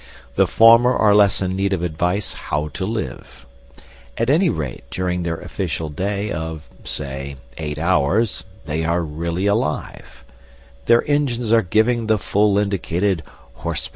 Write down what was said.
The former are less in need of advice "how to live." At any rate during their official day of, say, eight hours they are really alive; their engines are giving the full indicated "h.p."